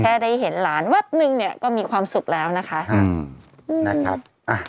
ได้เห็นหลานแวบนึงเนี่ยก็มีความสุขแล้วนะคะนะครับ